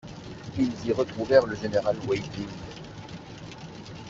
Ils y retrouvèrent le général Weidling.